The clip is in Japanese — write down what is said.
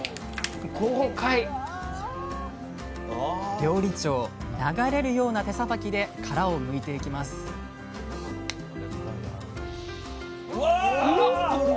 料理長流れるような手さばきで殻をむいていきますうわっ！